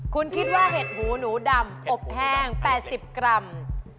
คุณคิดว่าเห็ดหูหนูดำอบแห้ง๘๐กรัม